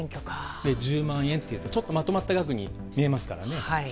１０万円というと、ちょっとまとまった額に見えますからね。